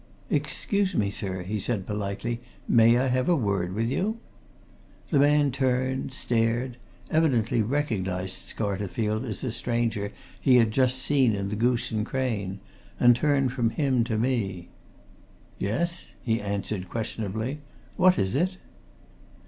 "Excuse me, sir," he said politely. "May I have a word with you?" The man turned, stared, evidently recognized Scarterfield as a stranger he had just seen in the Goose and Crane, and turned from him to me. "Yes?" he answered questionably. "What is it?"